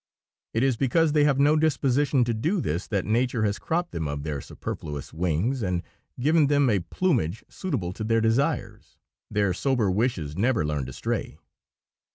It is because they have no disposition to do this, that Nature has cropped them of their superfluous wings and given them a plumage suitable to their desires. "Their sober wishes never learn to stray."